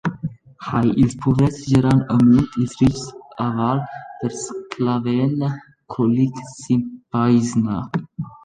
Hai, ils povers giaran amunt, ils richs aval vers Clavenna, Colic, s’impaissna.